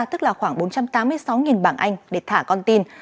tức là khoảng bốn trăm tám mươi sáu bảng anh để thả con tin